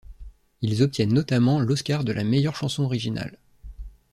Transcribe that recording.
Ils obtiennent notamment l'Oscar de la meilleure chanson originale.